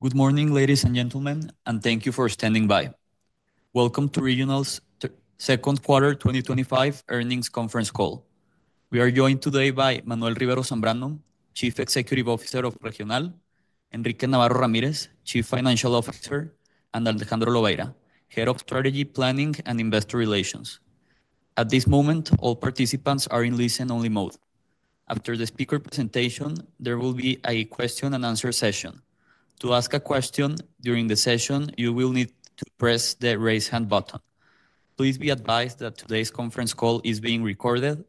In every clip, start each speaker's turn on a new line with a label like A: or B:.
A: Good morning ladies and gentlemen, and thank you for standing by. Welcome to Regional's second quarter 2025 earnings conference call. We are joined today by Manuel Rivero Zambrano, Chief Executive Officer of Regional S.A.B. de C.V., Enrique Navarro Ramírez, Chief Financial Officer, and Alejandro Lobeira, Head of Strategy, Planning and Investor Relations. At this moment, all participants are in listen-only mode. After the speaker presentation, there will be a question and answer session. To ask a question during the session, you will need to press the raise hand button. Please be advised that today's conference call is being recorded.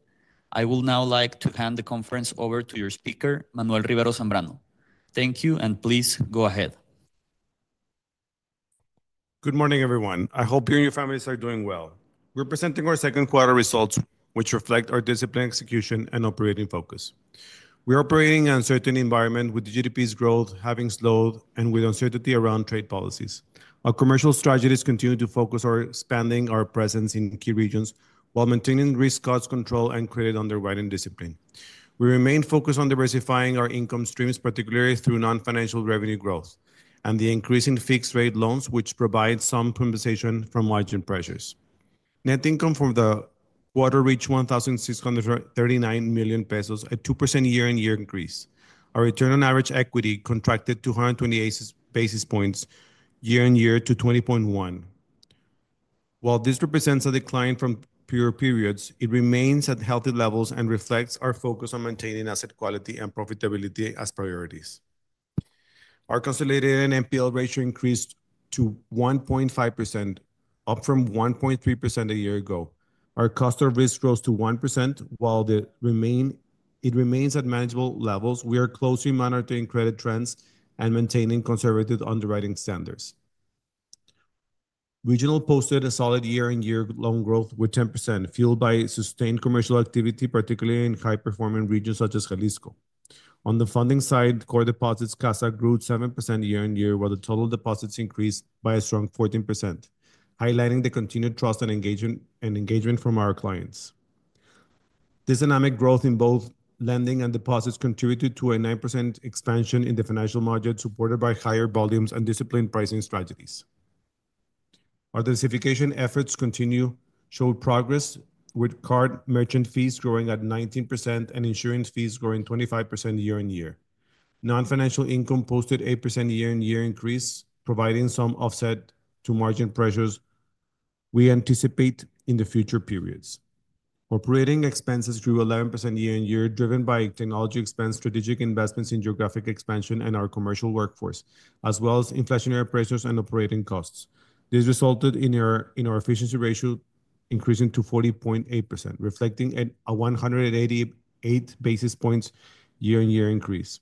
A: I would now like to hand the conference over to your speaker, Manuel Rivero Zambrano. Thank you, and please go ahead.
B: Good morning everyone. I hope you and your families are doing well. We're presenting our second quarter results which reflect our discipline, execution, and operating focus. We are operating in an uncertain environment with the GDP's growth having slowed and with uncertainty around trade policies. Our commercial strategies continue to focus on expanding our presence in key regions while maintaining risk, cost control, and credit underwriting discipline. We remain focused on diversifying our income streams, particularly through non-financial revenue growth and the increasing fixed rate loans which provide some compensation from margin pressures. Net income for the quarter reached MXN $1,639 million pesos, a two percent year on year increase. Our return on average equity contracted 228 basis points year on year to 20.1%. While this represents a decline from prior periods, it remains at healthy levels and reflects our focus on maintaining asset quality and profitability as priorities. Our consolidated NPL ratio increased to 1.5%, up from 1.3% a year ago. Our cost of risk rose to 1% while it remains at manageable levels. We are closely monitoring credit trends and maintaining conservative underwriting standards. Regional posted a solid year on year loan growth with 10% fueled by sustained commercial activity, particularly in high performing regions such as Jalisco. On the funding side, core deposits CASA grew seven percent year on year while the total deposits increased by a strong 14%, highlighting the continued trust and engagement from our clients. This dynamic growth in both lending and deposits contributed to a 9% expansion in the financial margin, supported by higher volumes and disciplined pricing strategies. Our densification efforts continue to show progress with card merchant fees growing at 19% and insurance fees growing 25% year on year. Non-financial income posted an 8% year on year increase, providing some offset to margin pressures we anticipate in future periods. Operating expenses grew 11% year on year, driven by technology expense, strategic investments in geographic expansion, and our commercial workforce as well as inflationary pressures and operating costs. This resulted in our efficiency ratio increasing to 40.8%, reflecting a 188 basis points year on year increase.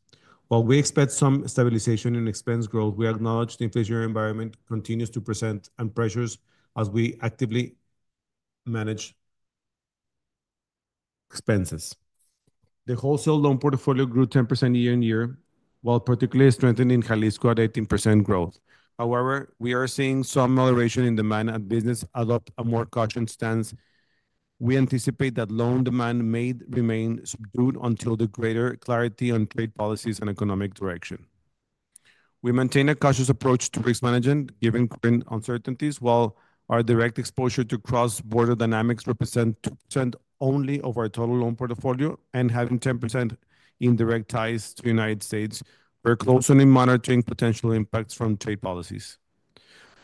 B: While we expect some stabilization in expense growth, we acknowledge the inflationary environment continues to present pressures as we actively manage expenses. The wholesale loan portfolio grew 10% year on year while particularly strengthening Jalisco at 18% growth. However, we are seeing some moderation in demand and business adopt a more cautioned stance. We anticipate that loan demand may remain subdued until the greater clarity on trade policies and economic direction. We maintain a cautious approach to risk management given current uncertainties. While our direct exposure to cross border dynamics represent two percent only of our total loan portfolio and having 10% indirect ties to the United States, we're closely monitoring potential impacts from trade policies.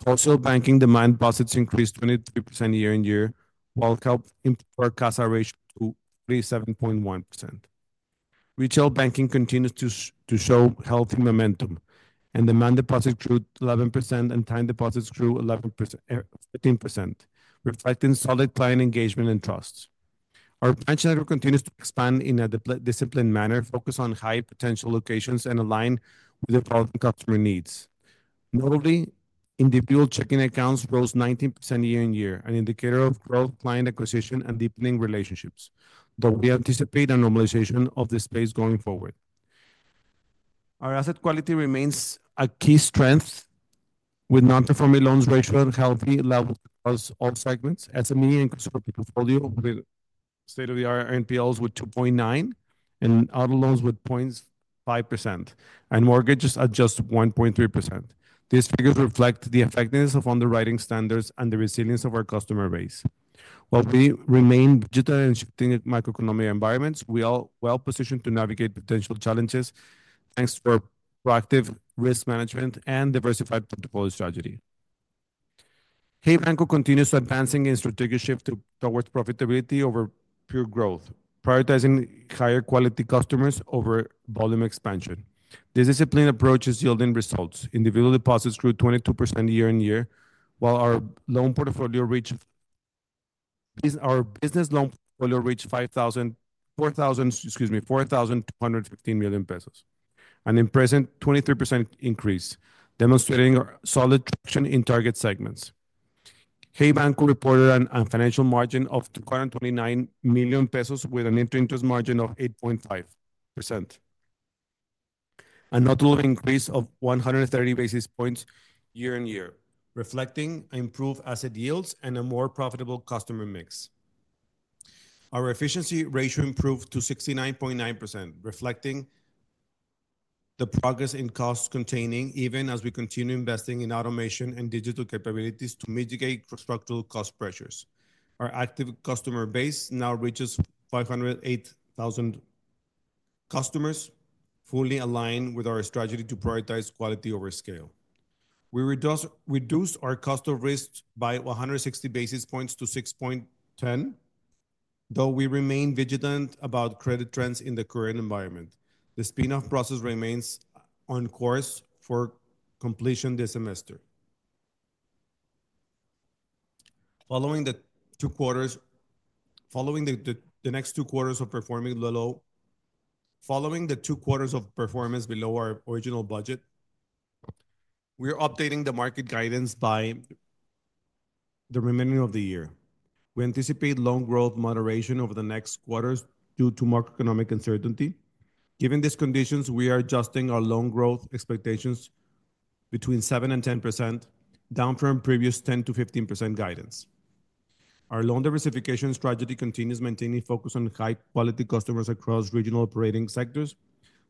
B: Also, banking demand deposits increased 23% year on year while helping forecast our ratio to 37.1%. Retail banking continues to show healthy momentum and demand. Deposit grew 11% and time deposits grew 15% reflecting solid client engagement and trust. Our branch network continues to expand in a disciplined manner, focus on high potential locations and align with the following customer needs. Notably, individual checking accounts rose 19% year on year, an indicator of growth, client acquisition and deepening relationships. Though we anticipate a normalization of this space going forward, our asset quality remains a key strength with non-performing loans ratio and healthy levels across all segments. SME portfolio with state of the art NPLs with 2.9% and auto loans with 0.5% and mortgages at just 1.3%. These figures reflect the effectiveness of underwriting standards and the resilience of our customer base. While we remain digital and shifting microeconomic environments, we are well positioned to navigate potential challenges. Thanks for proactive risk management and diversified portfolio strategy. Hey Banco continues advancing in strategic shift towards profitability over pure growth, prioritizing higher quality customers over volume expansion. This disciplined approach is yielding results. Individual deposits grew 22% year on year while our loan portfolio reached. Our business loan portfolio reached MXN $4,215 million pesos and in present 23% increase demonstrating solid traction in target segments. Hey Banco reported a financial margin of MXN $229 million pesos with an interest margin of 8.5%. A notable increase of 130 basis points year on year reflecting improved asset yields and a more profitable customer mix. Our efficiency ratio improved to 69.9% reflecting the progress in cost containing. Even as we continue investing in automation and digital capabilities to mitigate structural cost pressures, our active customer base now reaches 508,000 customers. Fully aligned with our strategy to prioritize quality over scale, we reduce our cost of risk by 160 basis points to 6.10%. Though we remain vigilant about credit trends in the current environment, the spinoff process remains on course for completion this semester following the two quarters of performance below our original budget, we're updating the market guidance by the remaining of the year. We anticipate loan growth moderation over the next quarters due to market economic uncertainty. Given these conditions, we are adjusting our loan growth expectations between 7% and 10%, down from previous 10% -5% guidance. Our loan diversification strategy continues maintaining focus on high quality customers across regional operating sectors.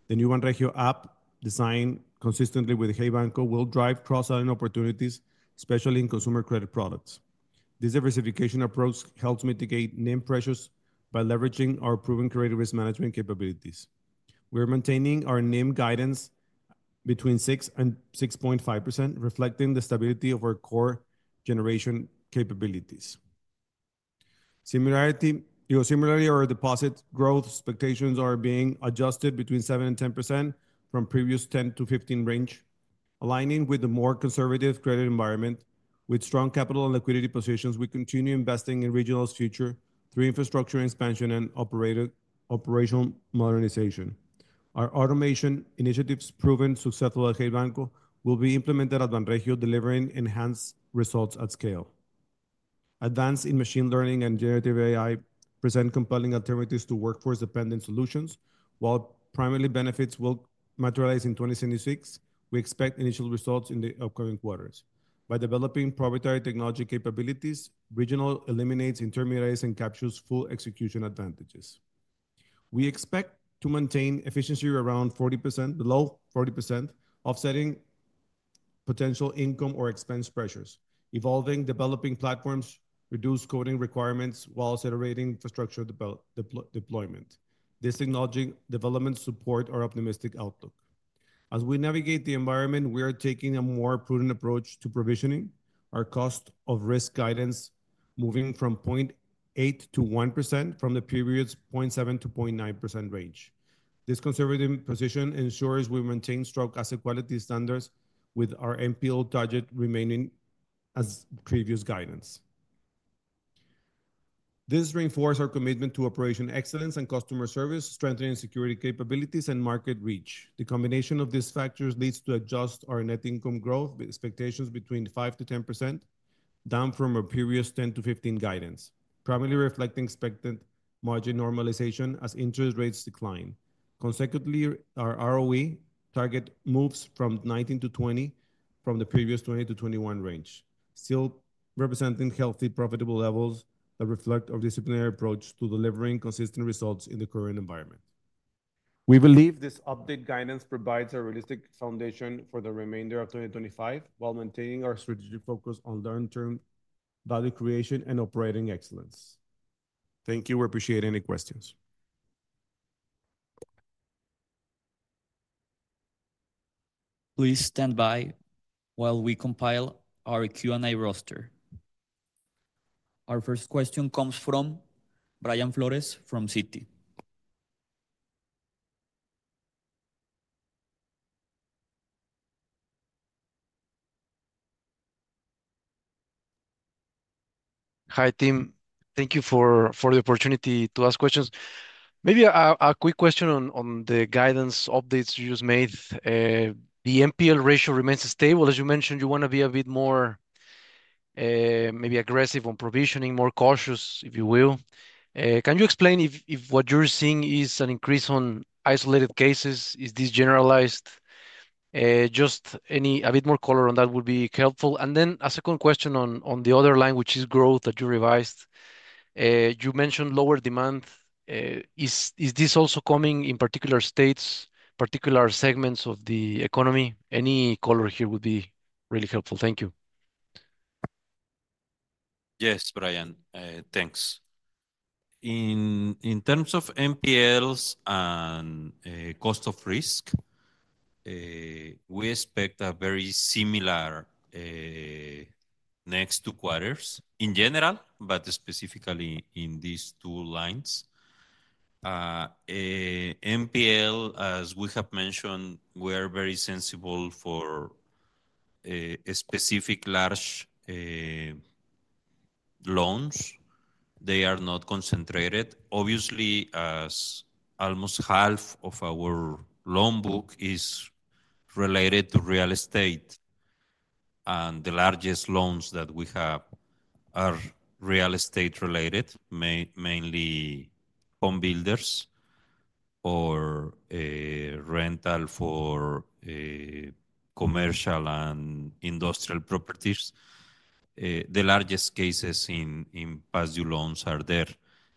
B: The new Andrijo app designed consistently with Hey Banco will drive cross selling opportunities, especially in consumer credit products. This diversification approach helps mitigate NIM pressures by leveraging our proven creative risk management capabilities. We are maintaining our NIM guidance between 6% and 6.5%, reflecting the stability of our core generation capabilities. Similarly, our deposit growth expectations are being adjusted between 7% and 10% from previous 10%-15% range, aligning with the more conservative credit environment. With strong capital and liquidity positions, we continue investing in Regional's future through infrastructure expansion and operational modernization. Our automation initiatives proven successful at Hey Banco will be implemented at Banregio, delivering enhanced results at scale. Advances in machine learning and generative AI present compelling alternatives to workforce dependent solutions. While primary benefits will materialize in 2026, we expect initial results in the upcoming quarters by developing proprietary technology capabilities. Regional eliminates intermediates and captures full execution advantages. We expect to maintain efficiency around 40%, below 40%, offsetting potential income or expense pressures. Evolving developing platforms reduce coding requirements while accelerating infrastructure deployment. This acknowledging development supports our optimistic outlook as we navigate the environment. We are taking a more prudent approach to provisioning, our cost of risk guidance moving from 0.8% -1% from the period's 0.7%-0.9% range. This conservative position ensures we maintain strong asset quality standards with our NPL target remaining as previous guidance. This reinforces our commitment to operational excellence and customer service, strengthening security capabilities and market reach. The combination of these factors leads to adjusting our net income growth expectations between 5%-10%, down from a previous 10%-15% guidance, primarily reflecting expected margin normalization as interest rates decline consecutively. Our ROE target moves from 19%-20% from the previous 20%-21% range, still representing healthy profitable levels that reflect our disciplinary approach to delivering consistent results in the current environment. We believe this updated guidance provides a realistic foundation for the remainder of 2025 while maintaining our strategic focus on long term value creation and operating excellence. Thank you. We appreciate any questions.
A: Please stand by while we compile our Q&A roster. Our first question comes from Brian Flores from Citi.
C: Hi Team, thank you for the opportunity to ask questions. Maybe a quick question on the guidance updates you just made. The NPL ratio remains stable as you mentioned. You want to be a bit more maybe aggressive on provisioning, more cautious if you will. Can you explain if what you're seeing is an increase on isolated cases? Is this generalized? A bit more color on that would be helpful. A second question on the other line which is growth that you revised. You mentioned lower demand. Is this also coming in particular states, particular segments of the economy? Any color here would be really helpful. Thank you.
D: Yes, Brian, thanks. In terms of NPLs and cost of risk, we expect a very similar next two quarters in general, but specifically in these two lines. NPL, as we have mentioned, we are very sensible for a specific large a loans. They are not concentrated obviously, as almost half of our loan book is related to real estate and the largest loans that we have are real estate related, mainly home builders or a rental for commercial and industrial properties. The largest cases in past due loans are there.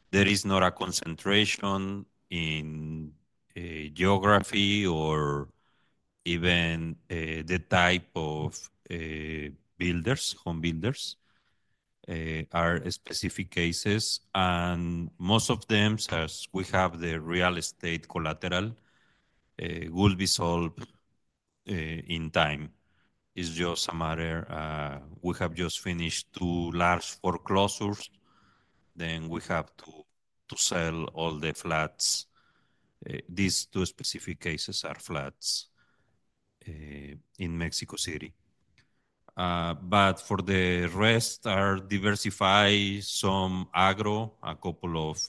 D: There is not a concentration in geography or even the type of builders. Home builders are specific cases and most of them we have. The real estate collateral will be solved in time. It's just a matter. We have just finished two large foreclosures. We have to sell all the flats. These two specific cases are flats in Mexico City, but for the rest are diversified, some Agro, a couple of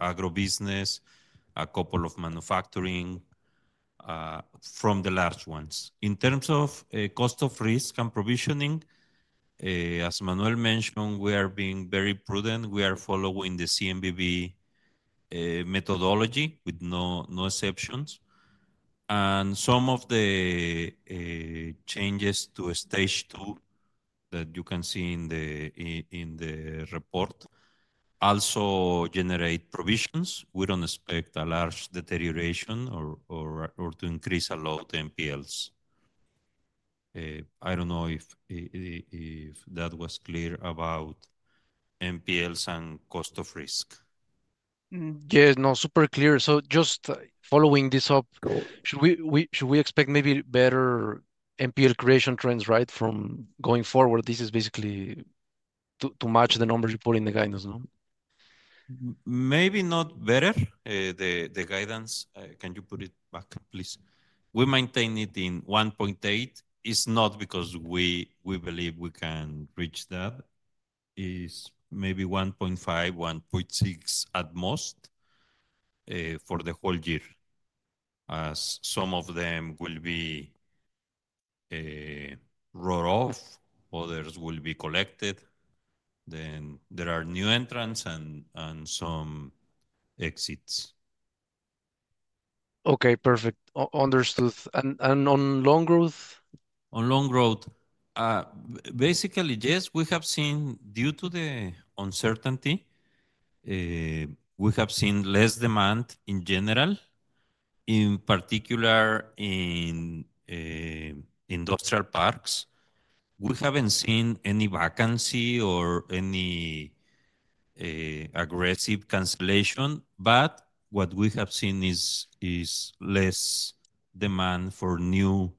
D: Agro business, a couple of manufacturing from the large ones. In terms of cost of risk and provisioning, as Manuel mentioned, we are being very prudent. We are following the CNBV methodology with no exceptions. Some of the changes to stage two that you can see in the report also generate provisions. We don't expect a large deterioration or to increase a lot NPLs. I don't know if that was clear about NPLs and cost of risk.
C: Yes, no, super clear. Just following this up, should we expect maybe better NPL creation trends right from going forward? This is basically to match the numbers you put in the guidance.
D: Maybe not better the guidance. Can you put it back, please? We maintain it in 1.8, not because we believe we can reach that. It is maybe 1.5-1.6 at most for the whole year. Some of them will be a roll off, others will be collected. There are new entrants and some exits.
C: Okay, perfect, understood. On long growth?
D: On long growth, basically yes, we have seen due to the uncertainty we have seen less demand in general, in particular in industrial parks. We haven't seen any vacancy or any aggressive cancellation. What we have seen is less demand for new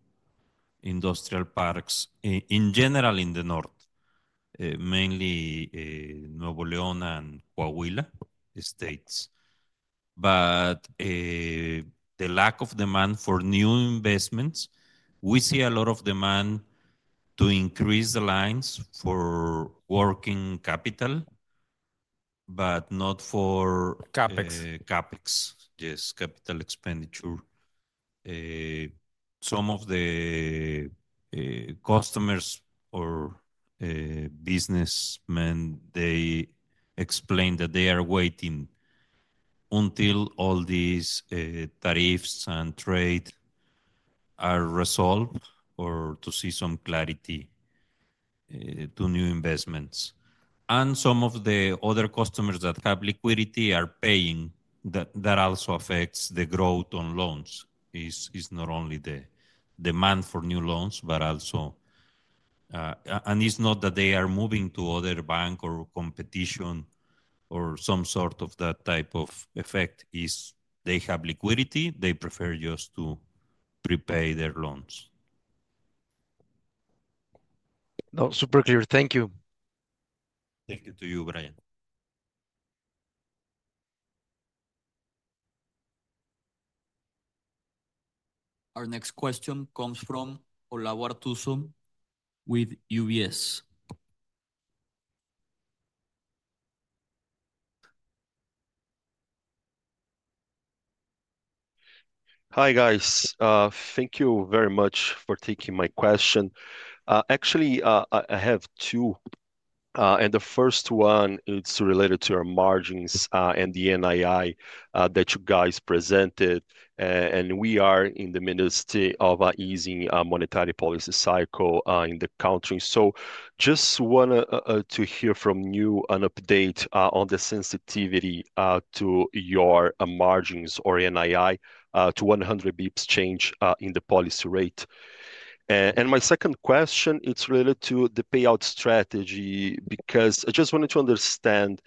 D: industrial parks in general in the north, mainly Nuevo Leon and states, but the lack of demand for new investments. We see a lot of demand to increase the lines for working capital, but not for CapEx. Yes, capital expenditure some of the customers or businessmen explained that they are waiting until all these tariffs and trade are resolved or to see some clarity to new investments. Some of the other customers that have liquidity are paying, that also affects the growth on loans. It's not only the demand for new loans, but also, it's not that they are moving to other bank or competition or some sort of that type of effect. If they have liquidity, they prefer just to prepay their loans.
C: Super clear. Thank you.
D: Thank you to you, Brian.
A: Our next question comes from Olavo Arthuzo with UBS.
E: Hi guys, thank you very much for taking my question. Actually I have two and the first one is related to our margins and the NII that you guys present. We are in the midst of an easing monetary policy cycle in the country. I just want to hear from you an update on the sensitivity to your margins or NII to a 100 bps change in the policy rate. My second question is related to the payout strategy because I just wanted to understand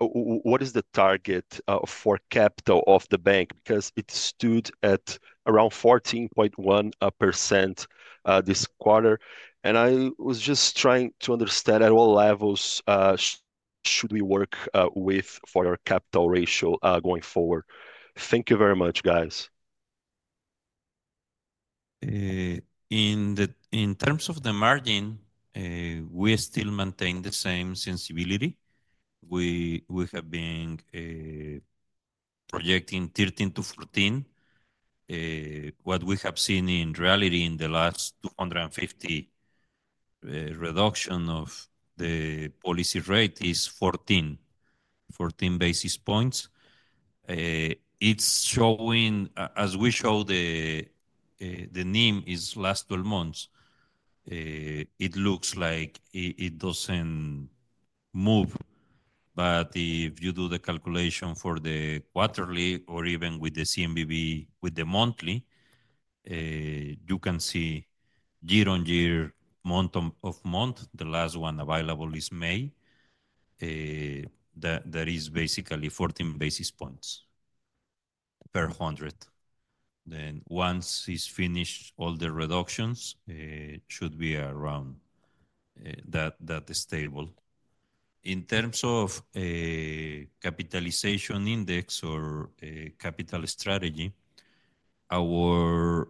E: what is the target for capital of the bank because it stood at 14.1% this quarter. I was just trying to understand at all levels should we work with for our capital ratio going forward. Thank you very much guys.
D: In terms of the margin, we still maintain the same sensibility, projecting 13-14. What we have seen in reality in the last 250 reduction of the policy rate is 14. 14 basis points. It's showing, as we show, the NIM is last 12 months, it looks like it doesn't move. If you do the calculation for the quarterly or even with the CMBB with the monthly, you can see year on year, month of month. The last one available is May. That is basically 14 basis points per hundred. Once it's finished, all the reductions, it should be around that, is stable in terms of a capitalization index or capital strategy. Our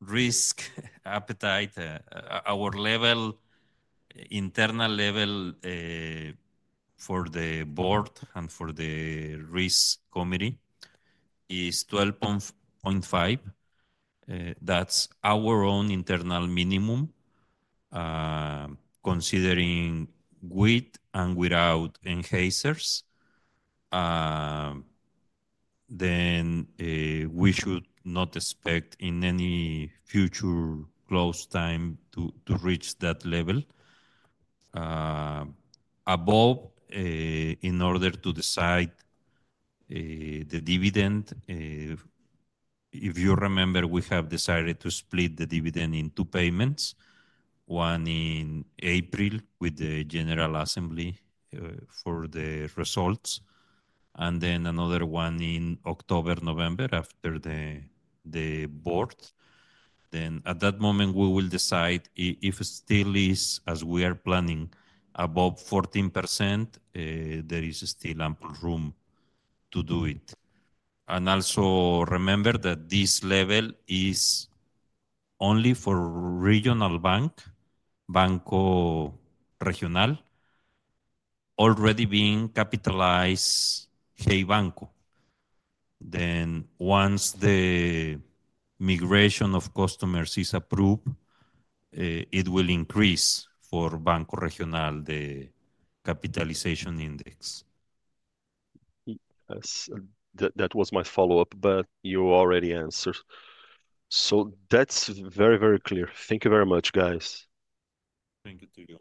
D: risk appetite, our level, internal level for the board and for the risk committee is 12.5. That's our own internal minimum, considering with and without enhancers. We should not expect in any future close time to reach that level above in order to decide the dividend. If you remember, we have decided to split the dividend in two payments, one in April with the General Assembly for the results and then another one in October, November after the board. At that moment, we will decide if it still is as we are planning above 14%. There is still ample room to do it. Also remember that this level is only for regional bank Banco Regional already being capitalized. Hey Banco. Once the migration of customers is approved, it will increase for Banco Regional the capitalization index.
E: That was my follow up, but you already answered, so that's very, very clear. Thank you very much, guys.
D: Thank you.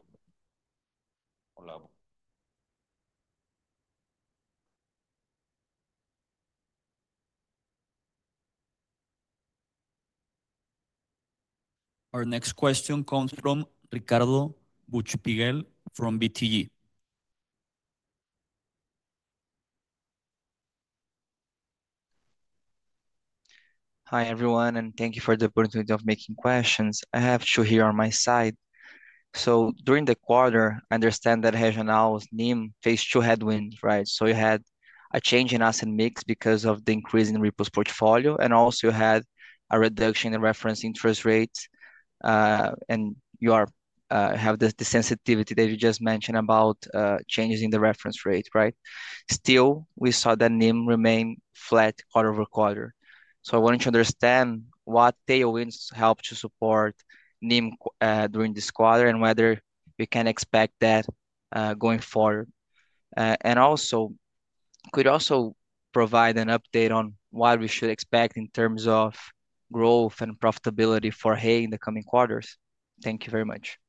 A: Our next question comes from Ricardo Buchpiguel from BTG.
F: Hi everyone and thank you for the opportunity of making questions. I have two here on my side. During the quarter I understand that Regional's NIM faced two headwinds, right? You had a change in asset mix because of the increase in Repo's portfolio and also had a reduction in reference interest rates. You have the sensitivity that you just mentioned about changes in the reference rate, right? Still, we saw that NIM remained flat quarter over quarter. I wanted to understand what tailwinds helped to support NIM during the quarter and whether we can expect that going forward. Also, could you provide an update on what we should expect in terms of growth and profitability for Hey Banco in the coming quarters? Thank you very much.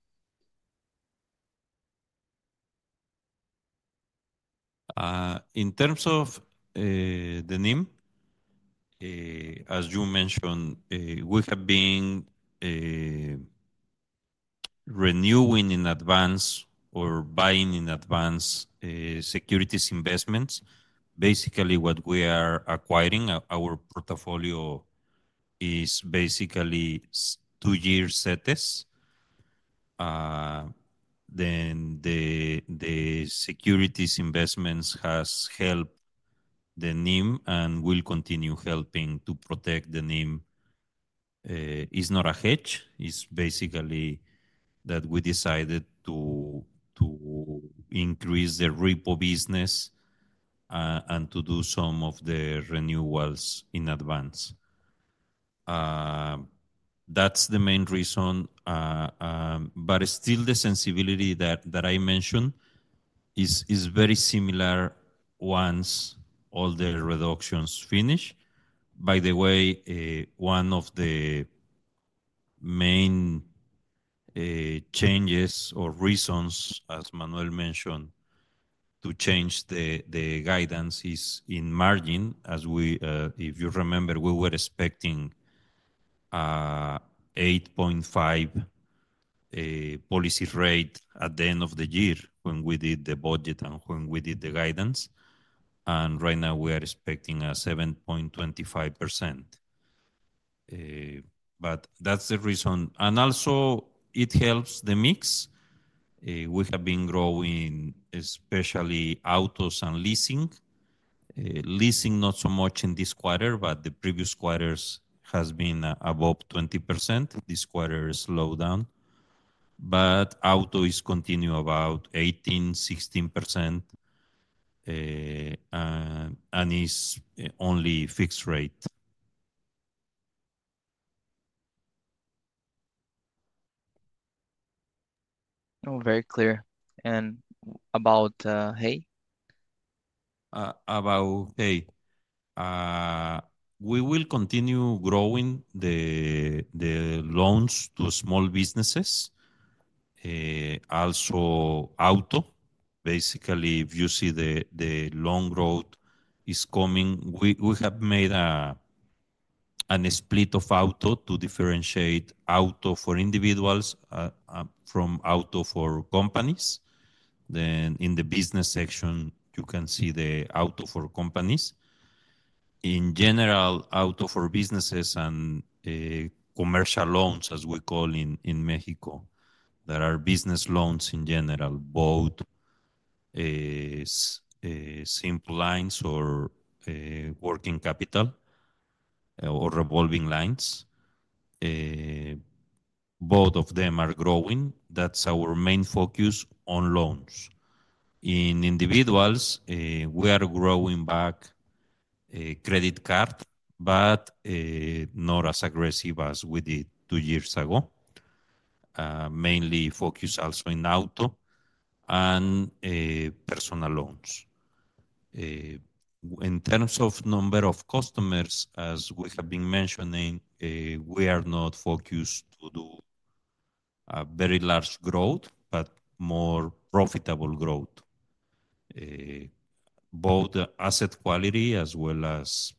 D: In terms of the NIM, as you mentioned, we have been renewing in advance or buying in advance Securities investments. Basically, what we are acquiring, our portfolio is basically two-year sets. Then the Securities investments have helped the NIM and will continue helping to protect the NIM. It is not a hedge, it is basically that we decided to increase the repo business and to do some of the renewals in advance. That's the main reason. Still, the sensibility that I mentioned is very similar once all the reductions finish. By the way, one of the main changes or reasons, as Manuel mentioned, to change the guidance is in margin. If you remember, we were expecting 8.5% policy rate at the end of the year when we did the budget and when we did the guidance, and right now we are expecting a 7.25%. That's the reason, and also it helps the mix. We have been growing, especially autos and leasing. Leasing not so much in this quarter, but the previous quarters have been above 20%. This quarter slowed down, but auto is continuing at about 18%, 16%, and is only fixed rate.
F: Oh, very clear about Hey.
D: We will continue growing the loans to small businesses, also auto. Basically, if you see, the loan growth is coming. We have made a split of auto to differentiate Auto for individuals from Auto for companies. In the business section, you can see the Auto for companies in general, Auto for businesses, and commercial loans as we call in Mexico. There are business loans in general, both simple lines or working capital or revolving lines. Both of them are growing. That's our main focus on loans in individuals. We are growing back a credit card, but not as aggressive as we did two years ago. Mainly focus also in Auto and personal loans in terms of number of customers. As we have been mentioning, we are not focused to do a very large growth, but more profitable growth, both asset quality as well as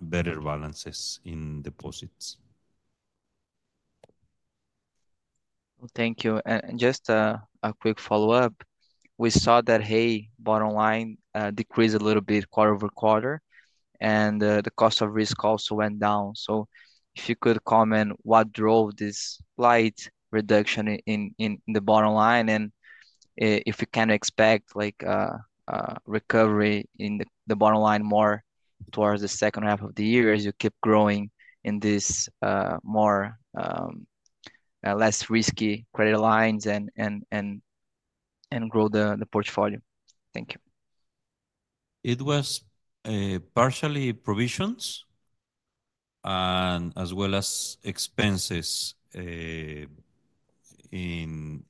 D: better balances in deposits.
F: Thank you. Just a quick follow up. We saw that Hey bottom line decreased a little bit quarter over quarter, and the cost of risk also went down. If you could comment what drove this slight reduction in the bottom line, and if you can expect recovery in the bottom line more towards the second half of the year as you keep growing in these more less risky credit lines and grow the portfolio.
D: Thank you. It was partially provisions as well as expenses in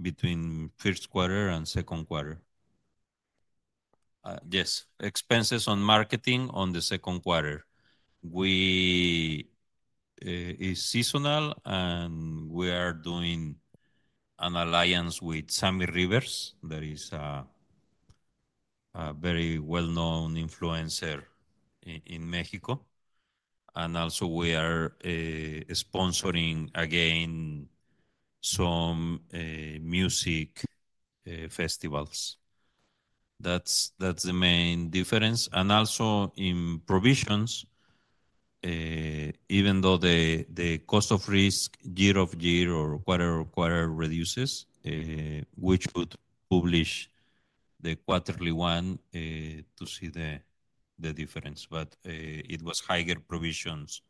D: between first quarter and second quarter. Yes, expenses on marketing on the second quarter. It is seasonal and we are doing an alliance with Samy Rivers. That is a very well known influencer in Mexico. We are also sponsoring again some music festivals. That's the main difference. Also in provisions, even though the cost of risk year over year or quarter over quarter reduces, we would publish the quarterly one to see the difference. It was higher provisions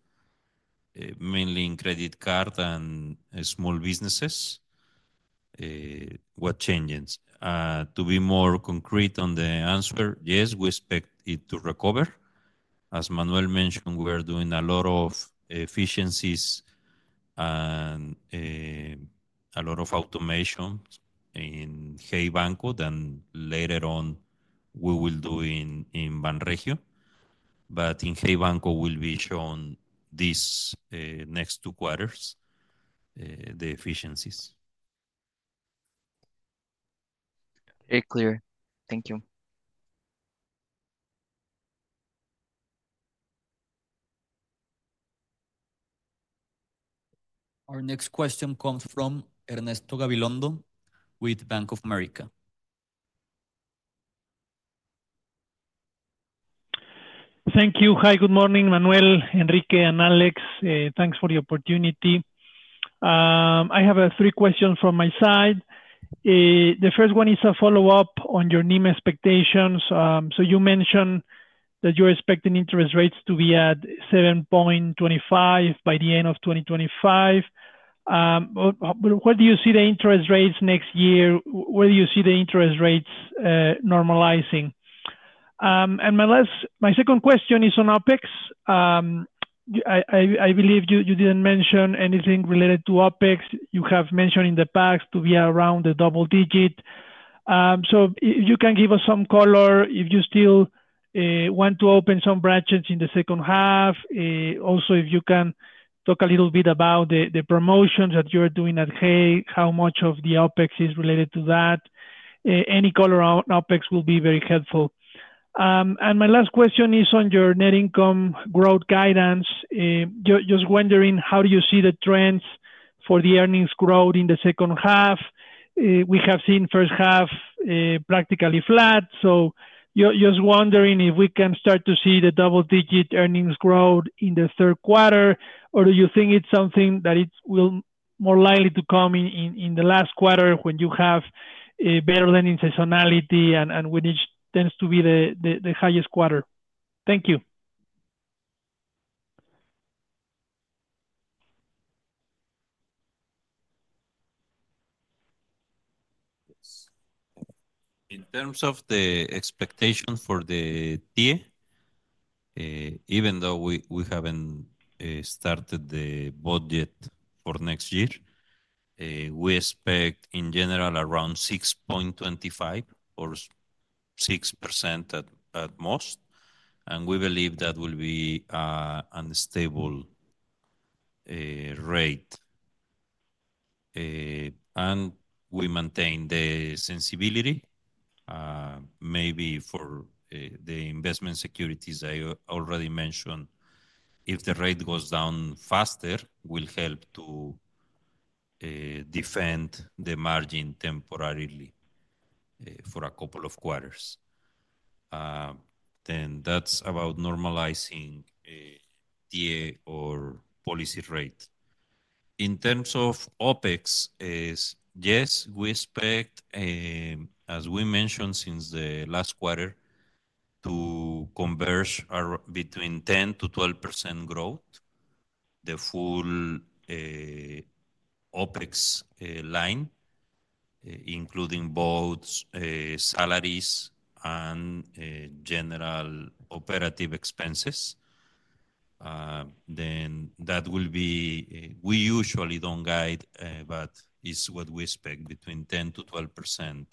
D: mainly in credit card and small businesses. What changes to be more concrete on the answer. Yes, we expect it to recover. As Manuel mentioned, we're doing a lot of efficiencies and a lot of automation in Hey Banco. Later on we will do in Banregio. In Hey Banco we'll be shown this next two quarters the efficiencies.
F: Very clear. Thank you.
A: Our next question comes from Ernesto Gabilondo with Bank of America.
G: Thank you. Hi, good morning. Manuel, Enrique, and Alex, thanks for the opportunity. I have three questions from my side. The first one is a follow-up on your NIM expectations. You mentioned that you're expecting interest rates to be at 7.25% by the end of 2025. Where do you see the interest rates next year? Where do you see the interest rates normalizing? My second question is on OpEx. I believe you didn't mention anything related to OpEx. You have mentioned in the past to be around the double digit. If you can give us some color if you still want to open some branches in the second half, that would be helpful. Also, if you can talk a little bit about the promotions that you are doing at Hey Banco, how much of the OpEx is related to that? Any color on OpEx will be very helpful. My last question is on your net income growth guidance. Just wondering how do you see the trends for the earnings growth in the second half. We have seen first half practically flat. Just wondering if we can start to see the double digit earnings growth in the third quarter or do you think it's something that will more likely come in the last quarter when you have a better lending seasonality and when it tends to be the highest quarter. Thank you.
D: In terms of the expectation for the TIIE, even though we haven't started the budget for next year, we expect in general around 6.25% or 6% at most, and we believe that will be a stable rate. We maintain the sensibility maybe for the investment securities I already mentioned. If the rate goes down faster, it will help to defend the margin temporarily for a couple of quarters. That's about normalizing the or policy rate. In terms of OpEx, yes, we expect, as we mentioned since the last quarter, to converge between 10%-12% growth on the full OpEx line, including both salaries and general operative expenses. We usually don't guide, but it is what we expect, between 10%-12%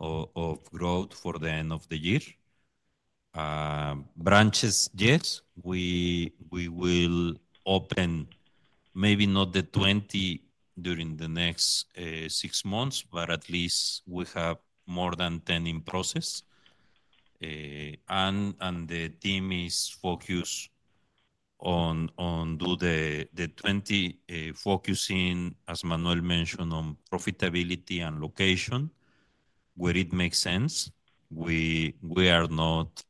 D: of growth for the end of the year. Branches, yes, we will open maybe not the 20 during the next six months, but at least we have more than 10 in process, and the team is focused on the 20, focusing, as Manuel mentioned, on profitability and location where it makes sense. We are not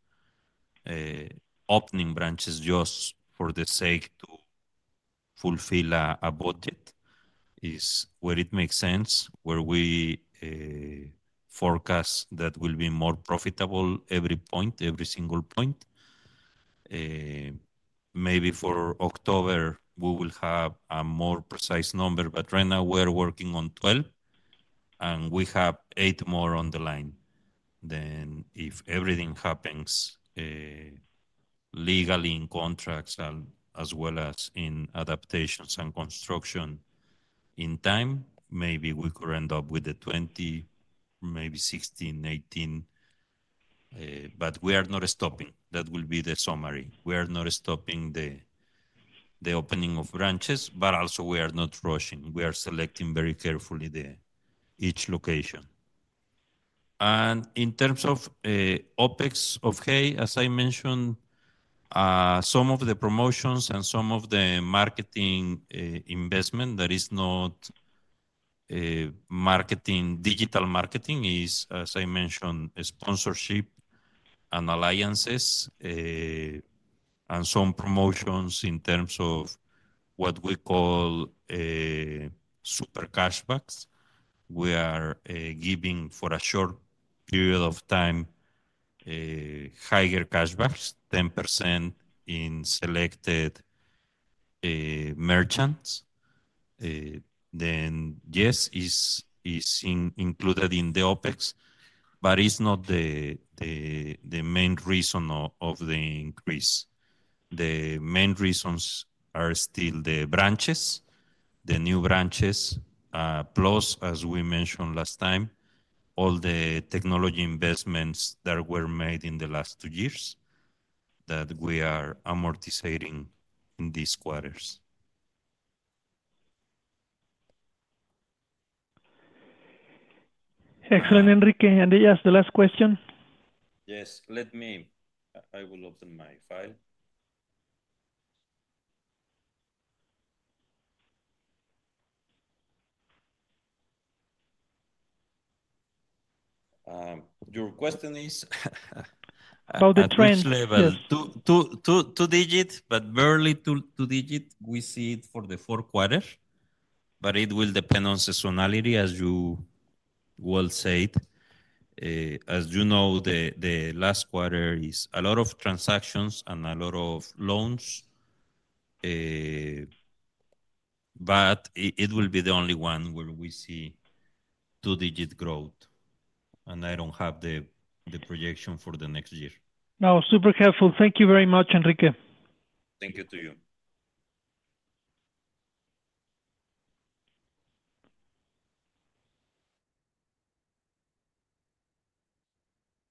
D: opening branches just for the sake to fulfill a budget. It is where it makes sense, where we forecast that will be more profitable every point, every single point. Maybe for October we will have a more precise number, but right now we're working on 12, and we have eight more on the line. If everything happens legally in contracts as well as in adaptations and construction in time, maybe we could end up with the 20, maybe 16 or 18, but we are not stopping. That will be the summary. We are not stopping the opening of branches, but also we are not rushing. We are selecting very carefully each location. In terms of OpEx of Hey, as I mentioned, some of the promotions and some of the marketing investment, that is not marketing, digital marketing is, as I mentioned, sponsorship and alliances and some promotions. In terms of what we call super cashbacks, we are giving for a short period of time higher cashbacks, 10% in selected merchants. Yes, it is included in the OpEx, but it's not the main reason of the increase. The main reasons are still the branches, the new branches, plus, as we mentioned last time, all the technology investments that were made in the last two years that we are amortizing in these quarters.
G: Excellent, Enrique. Did you ask the last question?
D: Yes, let me. I will open my file. Your question is about the trend, two-digits but barely two-digits. We see it for the fourth quarter, but it will depend on seasonality. As you well said. As you know, the last quarter is a lot of transactions and a lot of loans. It will be the only one where we see two-digit growth. I don't have the projection for the next year.
G: No, super helpful. Thank you very much, Enrique.
D: Thank you to you.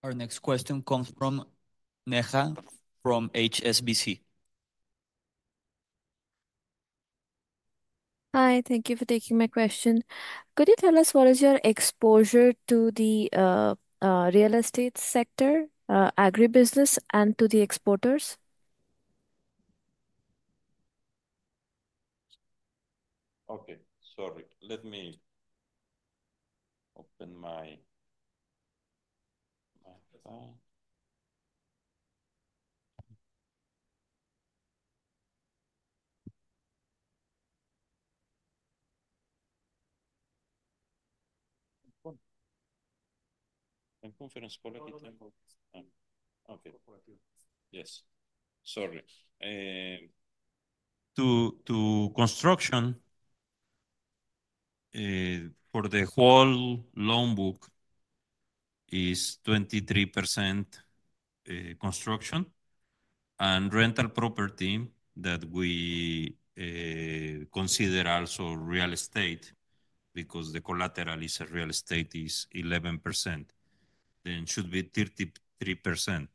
A: Our next question comes from Neha from HSBC.
H: Hi, thank you for taking my question. Could you tell us what is your exposure to the real estate sector, agribusiness, and to the exporters?
D: Sorry, let me open my. To construction for the whole loan book is 23%. Construction and rental property that we consider also real estate because the collateral is real estate is 11%. That should be 33%.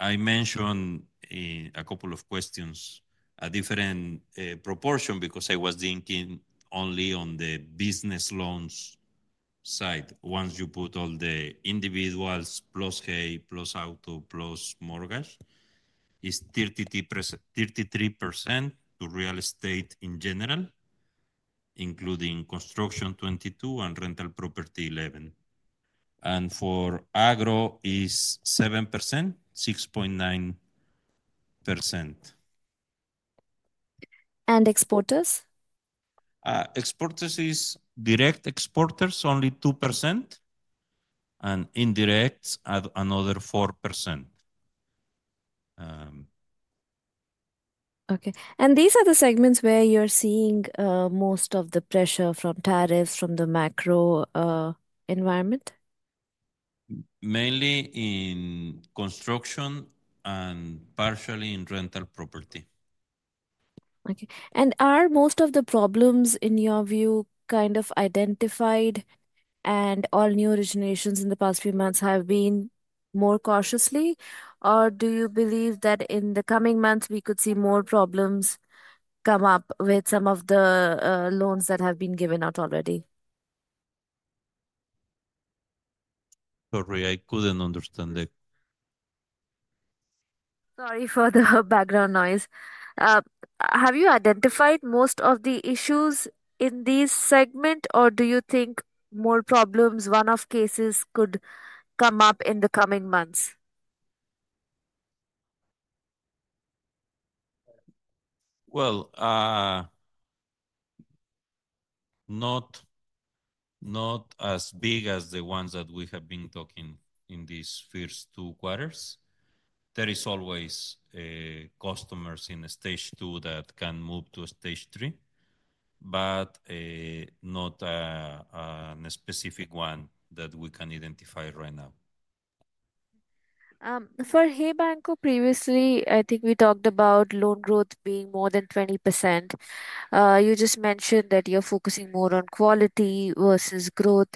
D: I mentioned in a couple of questions a different proportion because I was thinking only on the business loans side. Once you put all the individuals plus Hey plus Auto plus mortgage, it's 33%. 33% to real estate in general, including construction 22% and rental property 11%. For Agro, it's 7%, 6.9%. Exporters is direct exporters only 2% and indirects at another 4%.
H: Okay, these are the segments where you're seeing most of the pressure from tariffs, from the macro environment.
D: Mainly in construction and partially in rental property.
H: Okay, are most of the problems in your view kind of identified? All new originations in the past few months have been more cautiously, or do you believe that in the coming months we could see more problems come up with some of the loans that have been given out already?
D: Sorry, I couldn't understand it.
H: Sorry for the background noise. Have you identified most of the issues in this segment, or do you think more problems, one of cases, could come up in the coming months?
D: Not as big as the ones that we have been talking in these first two quarters. There is always customers in stage two that can move to stage three, but not a specific one that we can identify right now.
H: For Hey Banco, previously I think we talked about loan growth being more than 20%. You just mentioned that you're focusing more on quality versus growth.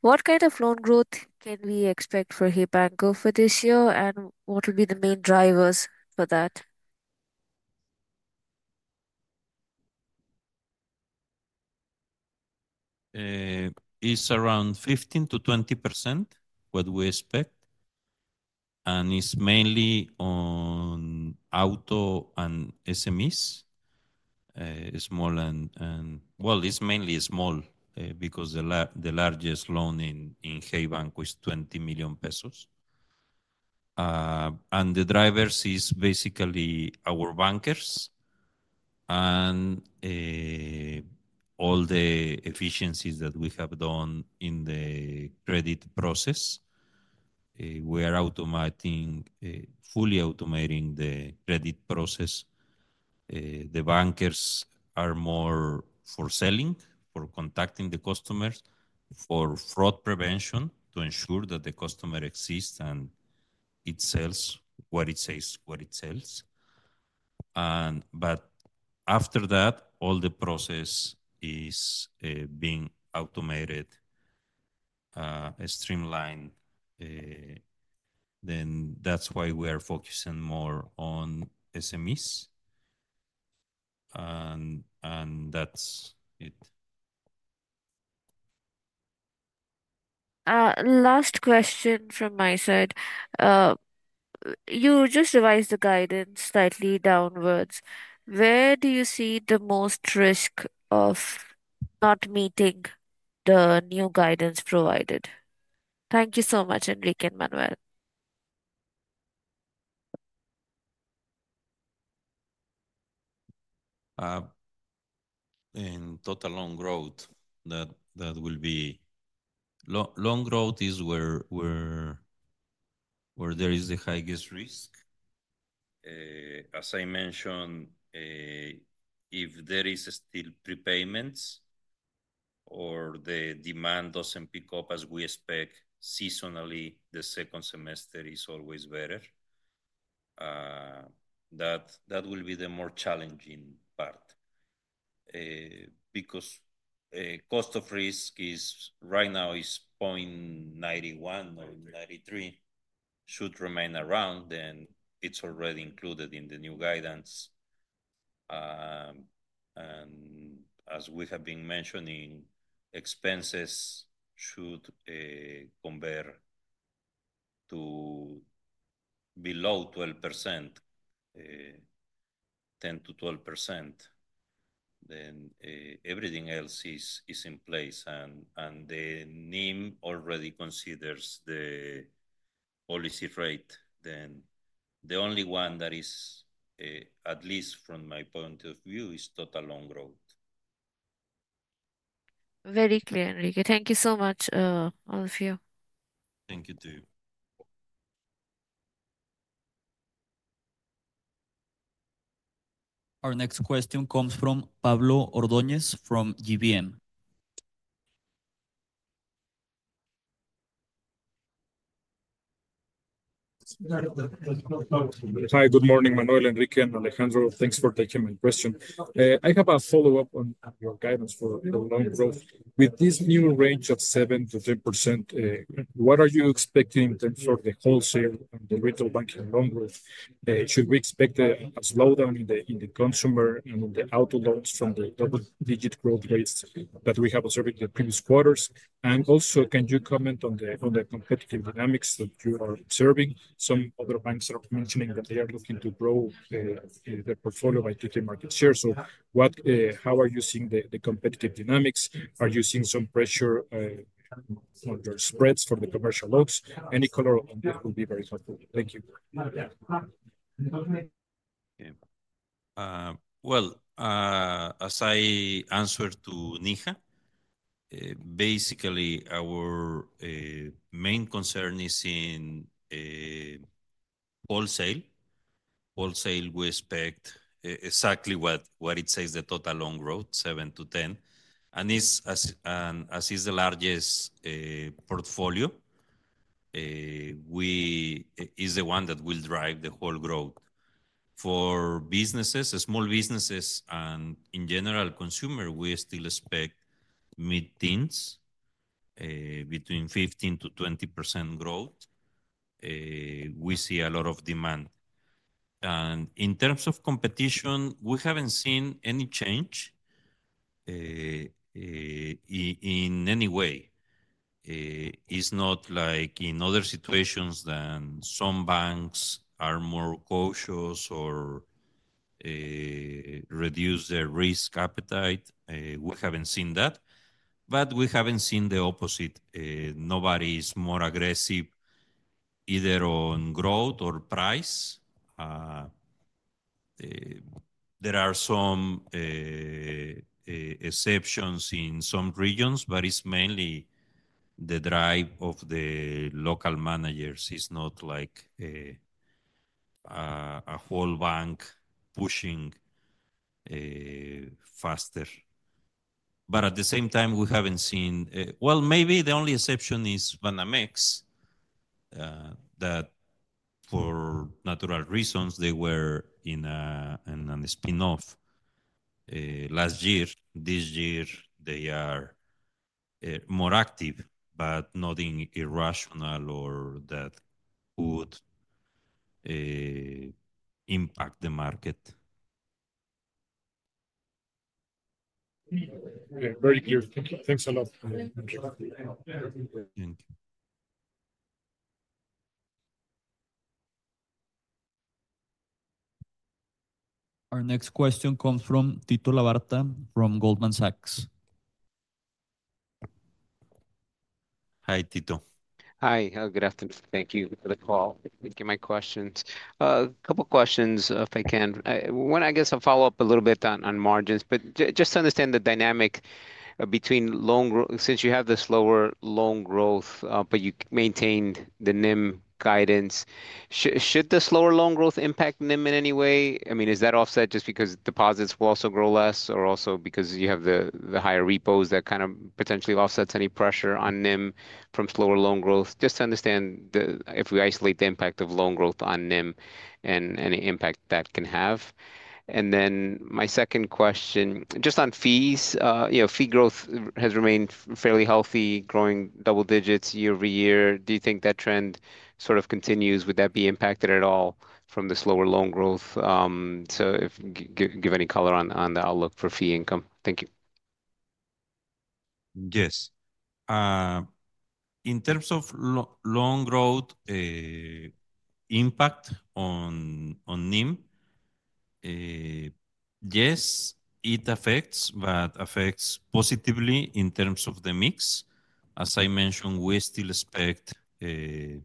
H: What kind of loan growth can we expect for Hey Banco for this year, and what will be the main drivers for that?
D: It's around 15%-20% what we expect, and it's mainly on auto and SMEs. It's mainly small because the largest loan in Hey Banco was MXN $20 million pesos. The drivers are basically our bankers and all the efficiencies that we have done in the credit process. We are automating, fully automating the credit process. The bankers are more for selling, for contacting the customers, for fraud prevention to ensure that the customer exists and it sells what it says, what it sells. After that, all the process is being automated, streamlined. That's why we are focusing more on SMEs. That's it.
H: Last question from my side. You just revised the guidance slightly downwards. Where do you see the most risk of not meeting the new guidance provided? Thank you so much. Enrique and Manuel.
D: In total on growth, that will be loan growth, where there is the highest risk. As I mentioned, if there are still prepayments or the demand doesn't pick up as we expect seasonally, the second semester is always better. That will be the more challenging part because cost of risk right now is 0.91% should remain around, and it's already included in the new guidance. As we have been mentioning, expenses should compare to below 12%, 10%-12%. Everything else is in place, and the NIM already considers the policy rate. The only one that is, at least from my point of view, is total loan growth.
H: Very clear, Enrique. Thank you so much, all of you.
D: Thank you.
A: Our next question comes from Pablo Ordóñezfrom GBM.
I: Hi, good morning. Manuel, Enrique, and Alejandro. Thanks for taking my question. I have a follow-up on your guidance for the loan growth with this new range of 7%-10%. What are you expecting in terms of the wholesale and the retail banking loan growth? Should we expect a slowdown in the consumer and the auto loans from the digit growth rates that we have observed in the previous quarters? Also, can you comment on the competitive dynamics that you are observing? Some other banks are mentioning that they are looking to grow their portfolio by taking market share. How are you seeing the competitive dynamics? Are you seeing some pressure on your spreads for the commercial loans? Any color on this will be very helpful. Thank you.
D: Okay, as I answer to Neha, basically our main concern is in wholesale. We expect exactly what it says, the total loan growth 7%-10%, and this, as it is the largest portfolio, is the one that will drive the whole growth for businesses, small businesses, and in general consumer. We still expect mid-teens, between 15%-20% growth. We see a lot of demand, and in terms of competition, we haven't seen any change in any way. It's not like in other situations when some banks are more cautious or reduce their risk appetite. We haven't seen that. We haven't seen the opposite. Nobody is more aggressive either on growth or price. There are some exceptions in some regions, but it's mainly the drive of the local managers. It's not like a whole bank pushing faster, but at the same time, we haven't seen—well, maybe the only exception is Banamex that for natural reasons, they were in a spin-off last year. This year they are more active, but nothing irrational or that would impact the market.
I: Very clear. Thanks a lot.
A: Our next question comes from Tito Labarta from Goldman Sachs.
D: Hi Tito.
J: Hi, good afternoon. Thank you for the call taking my questions. A couple questions if I can. I guess I'll follow up a little bit on margins. Just to understand the dynamic between loan growth. Since you have the slower loan growth but you maintained the NIM guidance, should the slower loan growth impact NIM in any way? I mean, is that offset just because deposits will also grow less or also because you have the higher repos that kind of potentially offsets any pressure on NIM from slower loan growth? Just to understand if we isolate the impact of loan growth on NIM and any impact that can have. My second question just on fees. Fee growth has remained fairly healthy, growing double digits year over year. Do you think that trend sort of continues? Would that be impacted at all from the slower loan growth? If you could give any color on the outlook for fee income. Thank you.
D: Yes, in terms of loan growth impact on NIM. Yes, it affects but affects positively in terms of the mix. As I mentioned, we still expect a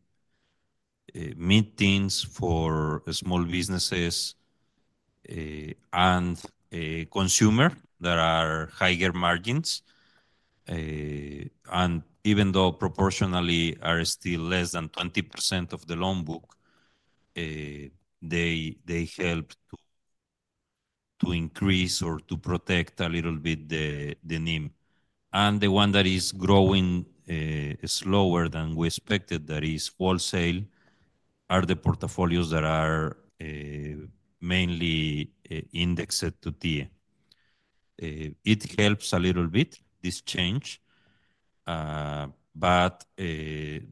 D: mix for small businesses and consumer. There are higher margins and even though proportionally are still less than 20% of the loan book, they help to increase or to protect a little bit the NIM, and the one that is growing slower than we expected, that is wholesale, are the portfolios that are mainly indexed to TIIE. It helps a little bit, this change, but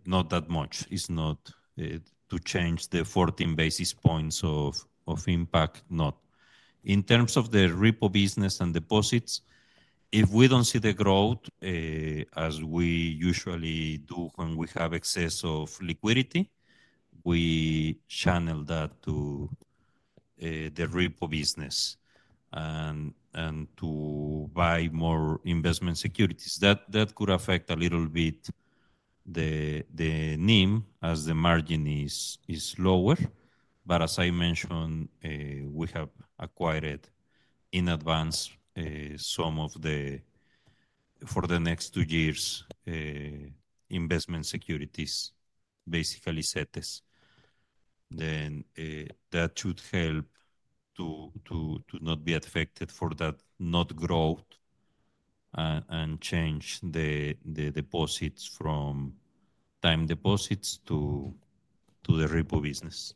D: not that much. It is not to change the 14 basis points of impact. Not in terms of the repo business and deposits. If we don't see the growth as we usually do when we have excess of liquidity, we channel that to the repo business and to buy more investment securities. That could affect a little bit the NIM as the margin is lower. As I mentioned, we have acquired in advance some of the for the next two years investment securities, basically set this, then that should help to not be affected for that not growth and change the deposits from time deposits to the repo business.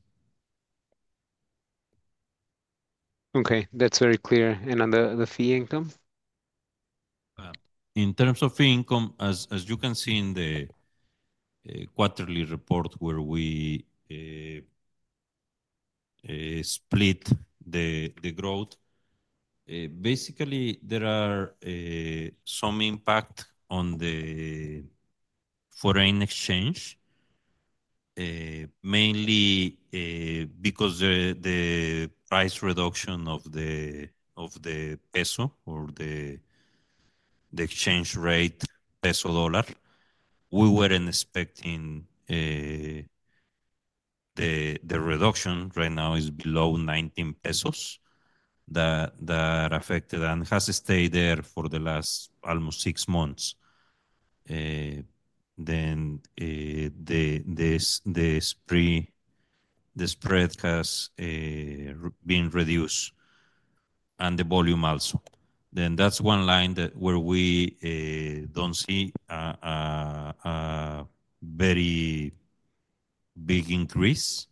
J: Okay, that's very clear. On the fee income?
D: In terms of fee income, as you can see in the quarterly report where we split the growth, basically there are some impact on the foreign exchange mainly because the price reduction of the peso or the exchange rate peso dollar. We weren't expecting the reduction. Right now it is below 19 pesos. That affected and has stayed there for the last almost six months. The spread has been reduced and the volume also. That is one line where we don't see very big increase.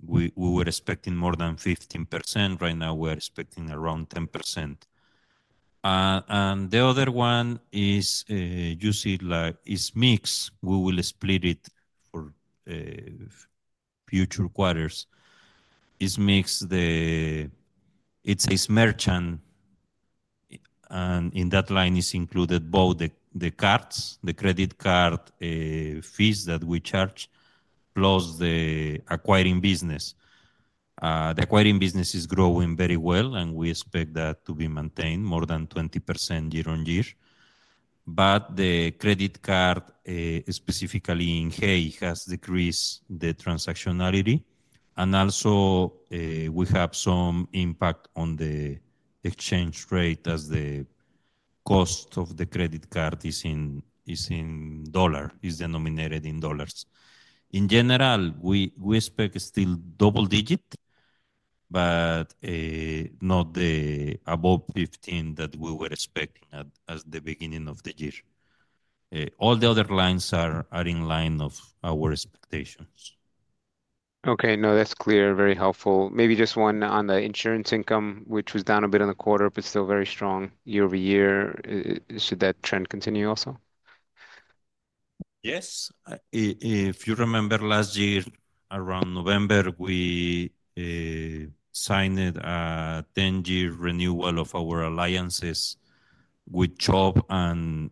D: We were expecting more than 15%. Right now we're expecting around 10%. The other one is you see like it's mix. We will split it for future quarters. It makes the, it says merchant, and in that line is included both the cards, the credit card fees that we charge, plus the acquiring business. The acquiring business is growing very well and we expect that to be maintained more than 20% year on year. The credit card specifically in Hey has decreased the transactionality and also we have some impact on the exchange rate as the cost of the credit card is denominated in dollars. In general, we expect still double-digit but not above 15% that we were expecting at the beginning of the year. All the other lines are in line of our expectations.
J: Okay, no, that's clear. Very helpful. Maybe just one. On the insurance income, which was down a bit in the quarter but still very strong year over year, should that trend continue also?
D: Yes, if you remember last year around November we signed a 10-year renewal of our alliances with Job and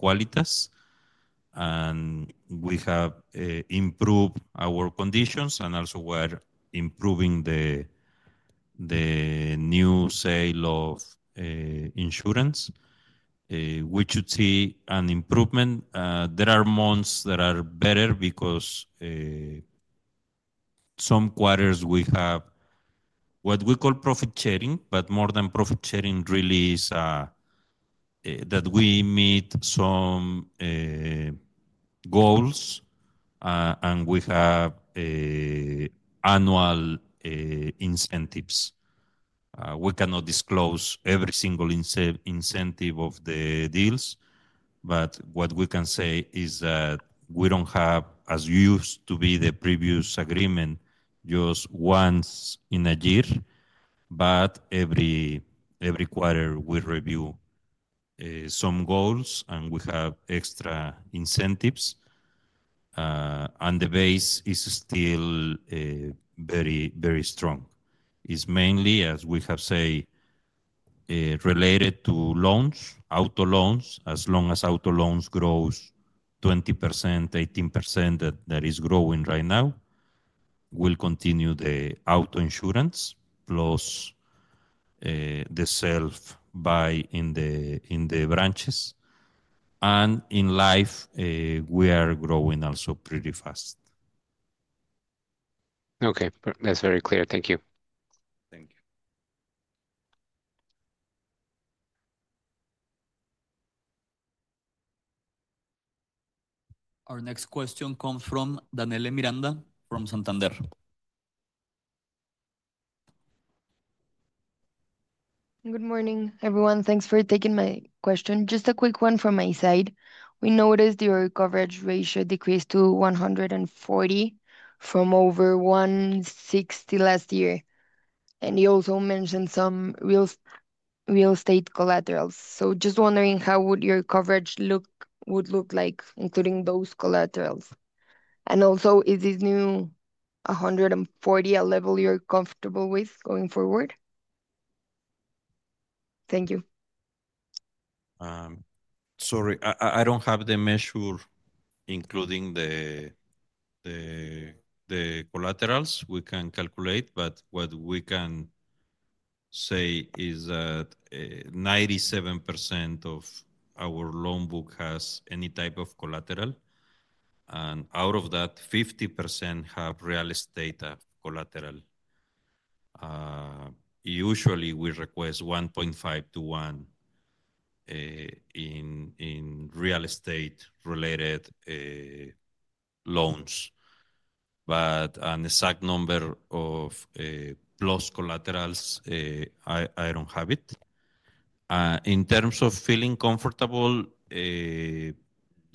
D: Qualitas, and we have improved our conditions and also we're improving the new sale of insurance. We should see an improvement. There are months that are better because some quarters we have what we call profit sharing. More than profit sharing, really, is that we meet some goals and we have annual incentives. We cannot disclose every single incentive of the deals. What we can say is that we don't have, as used to be the previous agreement, just once in a year, but every quarter we review some goals and we have extra incentives, and the base is still very, very strong. It is mainly, as we have said, related to loans, auto loans. As long as auto loans grow 20%, 18% that is growing right now, we will continue the auto insurance plus the self-buy in the branches and in life. We are growing also pretty fast.
J: Okay, that's very clear. Thank you.
D: Thank you.
A: Our next question comes from Danele Miranda from Santander.
K: Good morning, everyone. Thanks for taking my question. Just a quick one from my side. We noticed your coverage ratio decreased to 140 from over 160 last year. He also mentioned some real estate collaterals. am just wondering how would your coverage look like including those collaterals? Is this new 140 a level you're comfortable with going forward? Thank you.
D: Sorry, I don't have the measure included the collaterals we can calculate, but what we can say is that 97% of our loan book has any type of collateral, and out of that, 50% have real estate collateral. Usually, we request 1.5-1% in real estate related loans, but an exact number of plus collaterals, I don't have it. In terms of feeling comfortable,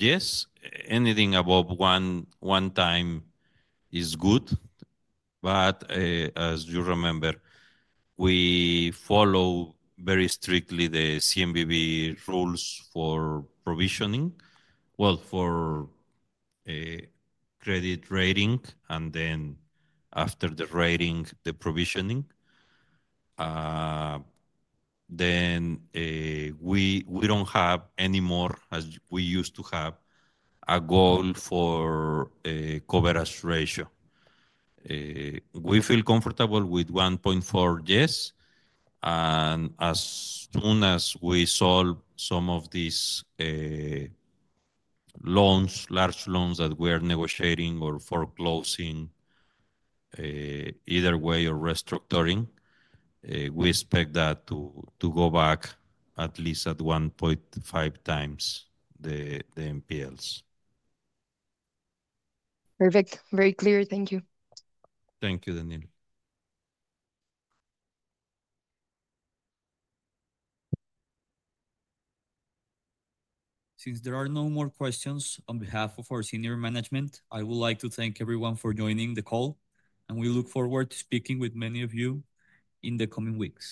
D: yes, anything above one, one times is good. As you remember, we follow very strictly the CMBB rules for provisioning for a credit rating, and then after the rating, the provisioning. We don't have anymore as we used to have a goal for coverage ratio, we feel comfortable with 1.4. Yes, and as soon as we solve some of these loans, large loans that we are negotiating or foreclosing either way or restructuring, we expect that to go back at least at 1.5 times the NPLs.
K: Perfect. Very clear. Thank you.
D: Thank you, Daniel.
A: Since there are no more questions on behalf of our senior management, I would like to thank everyone for joining the call, and we look forward to speaking with many of you in the coming weeks.